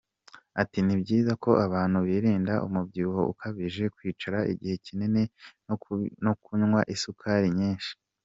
Ati “Nibyiza ko abantu birinda umubyibuho ukabije, kwicara igihe kinini, no kunywa isukari nyinshi.